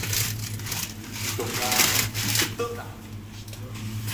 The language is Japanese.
布団が吹っ飛んだ